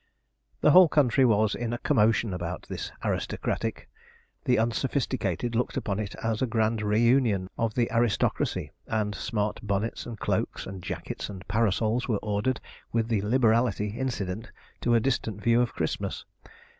The whole country was in a commotion about this 'Aristocratic'. The unsophisticated looked upon it as a grand réunion of the aristocracy; and smart bonnets and cloaks, and jackets and parasols were ordered with the liberality incident to a distant view of Christmas.